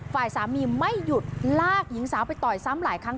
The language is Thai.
ฝ่ายสามีไม่หยุดลากหญิงสาวไปต่อยซ้ำหลายครั้ง